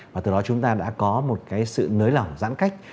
và từ đó chúng ta đã có một cái sự nới lỏng giãn cách